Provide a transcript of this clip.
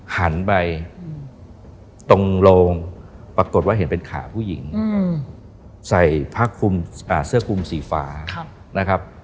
หันไปตรงโรงปรากฏว่าเห็นเป็นขาผู้หญิงใส่ผ้าคุมเสื้อคุมสีฟ้านะครับ